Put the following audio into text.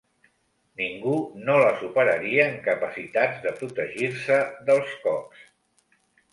Ningú no la superaria en capacitats de protegir-se dels cops.